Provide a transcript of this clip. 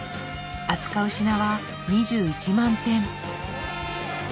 扱う品は２１万点。